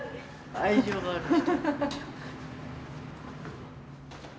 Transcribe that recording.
愛情がある人。